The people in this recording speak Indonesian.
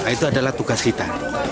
itu adalah tugas kita